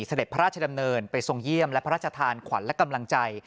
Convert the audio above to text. เสด็จพระราชดำเนินไปทรงเยี่ยมและพระราชทานขวัญและกำลังใจ